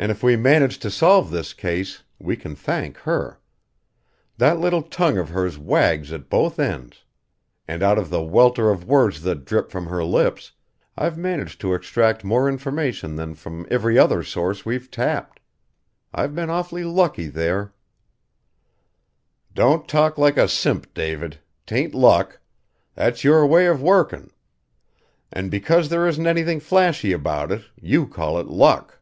And if we manage to solve this case, we can thank her. That little tongue of hers wags at both ends and out of the welter of words that drip from her lips I've managed to extract more information than from every other source we've tapped. I've been awfully lucky there " "Don't talk like a simp, David 'tain't luck. That's your way of working. And because there isn't anything flashy about it you call it luck.